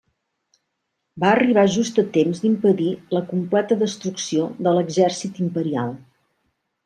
Va arribar just a temps d'impedir la completa destrucció de l'exèrcit imperial.